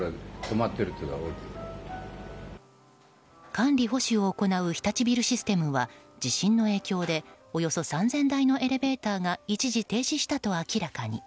管理・保守を行う日立ビルシステムは地震の影響でおよそ３０００台のエレベーターが一時停止したと明らかに。